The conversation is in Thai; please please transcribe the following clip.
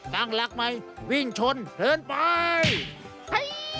ตั้งลักษณ์ไว้วิ่งชนเผินไป